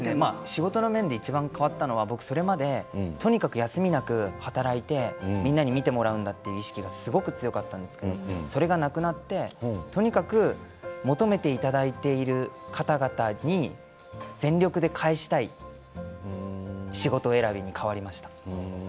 仕事の面でいちばん変わったのはそれまでとにかく休みなく働いてとにかく見てもらうんだという意識がすごく強かったんですけれどもそれがなくなってとにかく求めていただいている方々に全力で返したい仕事選びに変わりました。